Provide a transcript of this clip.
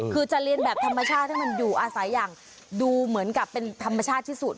คือจะเรียนแบบธรรมชาติให้มันอยู่อาศัยอย่างดูเหมือนกับเป็นธรรมชาติที่สุด